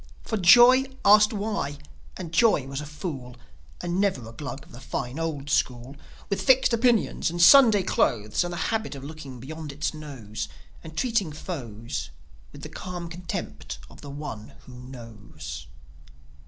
For Joi asked why; and Joi was a fool, And never a Glug of the fine old school With fixed opinions and Sunday clothes, And the habit of looking beyond its nose, And treating foes With the calm contempt of the One Who Knows.